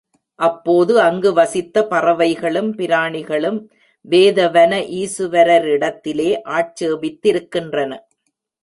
அப்போது அங்கு வசித்த பறவைகளும் பிராணிகளும் வேதவன ஈசுவரரிடத்திலே ஆட்சேபித்திருக்கின்றன.